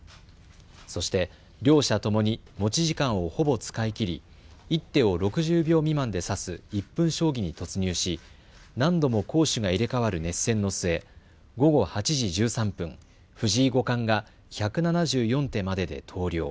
そして両者ともに持ち時間をほぼ使い切り１手を６０秒未満で指す１分将棋に突入し、何度も攻守が入れ替わる熱戦の末、午後８時１３分、藤井五冠が１７４手までで投了。